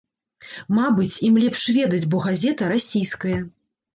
Мабыць, ім лепш ведаць, бо газета расійская.